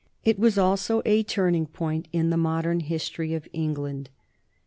It was also a turning point in the modern history of England.